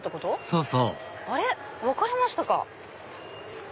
そうそう分かれましたか。